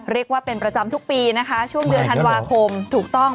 เรียกว่าเป็นประจำทุกปีนะคะช่วงเดือนธันวาคมถูกต้อง